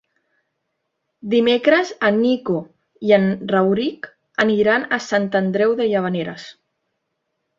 Dimecres en Nico i en Rauric aniran a Sant Andreu de Llavaneres.